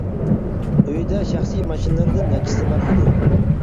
ئۆيىدە شەخسىي ماشىنىلىرىدىن نەچچىسى بار ئىدى.